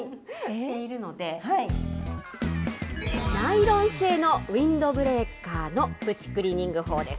ナイロン製のウィンドブレーカーのプチクリーニング法です。